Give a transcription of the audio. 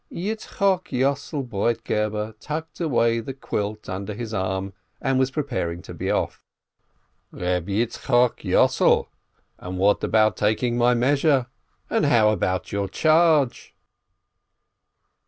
Yitzchok Yossel Broitgeber tucked away the quilt under his arm, and was preparing to be off. "Reb Yitzchok Yossel! And what about taking my measure ? And how about your charge